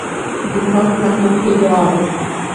د تاک لپو کښې دعاوې،